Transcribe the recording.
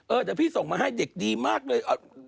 เดี๋ยวพี่ส่งมาให้เด็กดีมากเลย